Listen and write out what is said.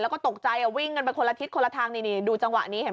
แล้วก็ตกใจวิ่งกันไปคนละทิศคนละทางนี่ดูจังหวะนี้เห็น